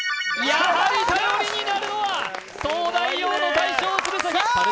やはり頼りになるのは東大王の大将・鶴崎！